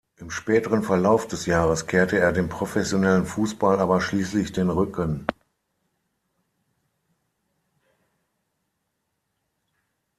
Im späteren Verlauf des Jahres kehrte er dem professionellen Fußball aber schließlich den Rücken.